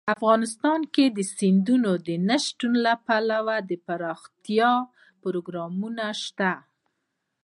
افغانستان کې د سمندر نه شتون لپاره دپرمختیا پروګرامونه شته.